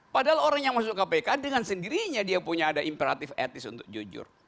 padahal orang yang masuk kpk dengan sendirinya dia punya ada imperatif etis untuk jujur